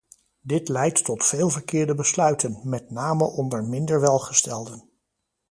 Dit leidt tot veel verkeerde besluiten, met name onder minder welgestelden.